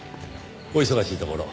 お忙しいところ。